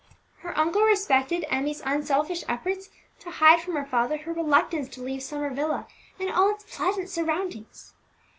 Her uncle respected Emmie's unselfish efforts to hide from her father her reluctance to leave Summer Villa and all its pleasant surroundings.